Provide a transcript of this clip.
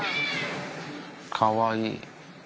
かわいい。